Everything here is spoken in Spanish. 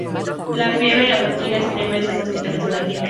La fiebre y la fatiga extrema son más habituales en la gripe.